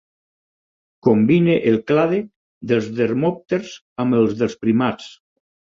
Combina el clade dels dermòpters amb el dels primats.